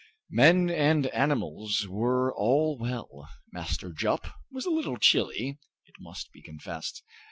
Men and animals were all well. Master Jup was a little chilly, it must be confessed.